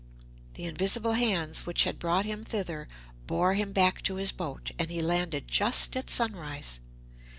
The invisible hands which had brought him thither bore him back to his boat, and he landed just at sunrise.